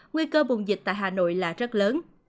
nguy cơ bùng dịch tại hà nội là rất lớn